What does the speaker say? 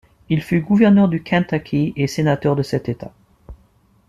Il fut gouverneur du Kentucky et sénateur de cet État.